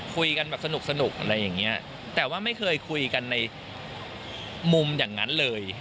คุยกันแบบสนุกสนุกอะไรอย่างเงี้ยแต่ว่าไม่เคยคุยกันในมุมอย่างนั้นเลย